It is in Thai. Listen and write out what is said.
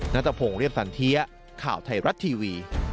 นัทพงศ์เรียบสันเทียข่าวไทยรัฐทีวี